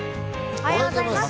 おはようございます。